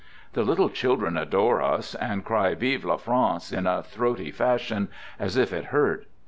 The little children " adore us," and cry " Vive la France," in a throaty fashion —" as if it hurt."